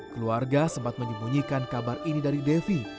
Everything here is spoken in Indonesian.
keluarga sempat menyembunyikan kabar ini dari devi